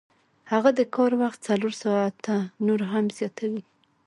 هغه د کار وخت څلور ساعته نور هم زیاتوي